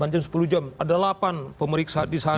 delapan jam sepuluh jam ada delapan pemeriksa di sana